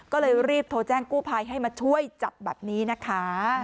ก็เลยรีบโทรแจ้งกู้ภัยให้มาช่วยจับแบบนี้นะคะ